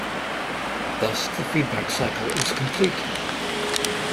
Thus the feedback cycle is complete.